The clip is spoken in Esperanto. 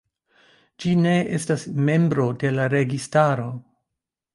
Ĝi ne estas membro de la registaro.